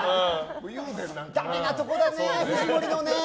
ダメなところだね、藤森のね。